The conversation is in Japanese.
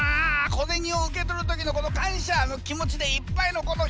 小銭を受け取る時のこの感謝の気持ちでいっぱいのこの表情。